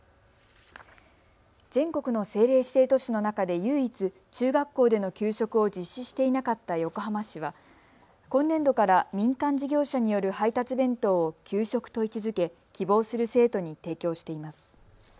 全国の政令指定都市の中で唯一、中学校での給食を実施していなかった横浜市は今年度から民間事業者による配達弁当を給食と位置づけ希望する生徒に提供しています。